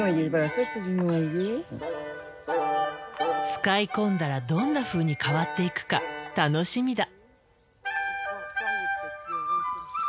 使い込んだらどんなふうに変わっていくか楽しみだ。